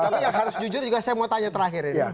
tapi yang harus jujur juga saya mau tanya terakhir ini